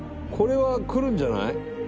これはくるんじゃない？